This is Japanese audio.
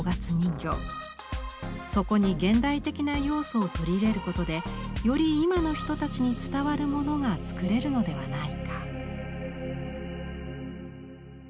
そこに現代的な要素を取り入れることでより今の人たちに伝わるものが作れるのではないか。